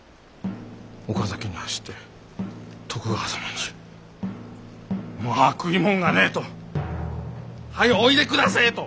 岡崎に走って徳川様にまあ食いもんがねえとはよおいでくだせえと！